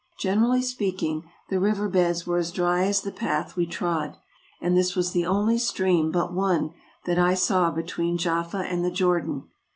Generally speaking, the river beds were as dry as the path we trod, and this was the only stream but one that I saw between Jaffa and the Jordan.